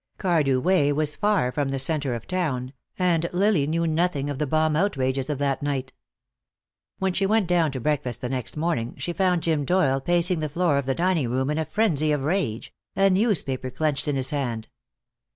Cardew Way was far from the center of town, and Lily knew nothing of the bomb outrages of that night. When she went down to breakfast the next morning she found Jim Doyle pacing the floor of the dining room in a frenzy of rage, a newspaper clenched in his hand.